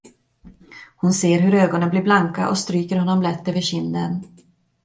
Hon ser hur ögonen blir blanka och stryker honom lätt över kinden.